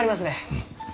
うん。